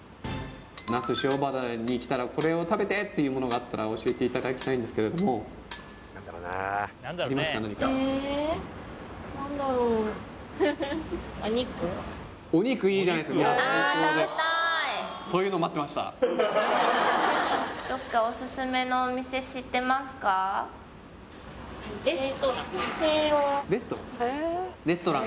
那須塩原に来たらこれを食べてっていうものがあったら教えていただきたいんですけれどもいや最高ですどこかレストラン？